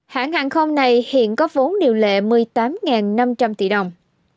hãng hàng không này hiện có vốn điều lệ một mươi tám năm trăm linh tỷ đồng